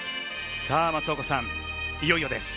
松岡さん、いよいよです。